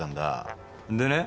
でね。